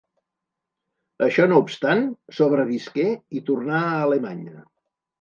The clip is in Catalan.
Això no obstant, sobrevisqué i tornà a Alemanya.